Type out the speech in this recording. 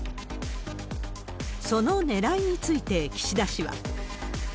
そのねらいについて、岸田氏は。